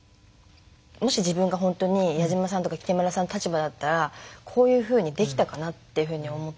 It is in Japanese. もし自分がほんとに矢島さんとか北村さんの立場だったらこういうふうにできたかなっていうふうに思って。